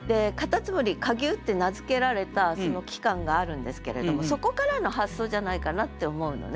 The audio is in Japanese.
蝸牛蝸牛って名付けられたその器官があるんですけれどもそこからの発想じゃないかなって思うのね。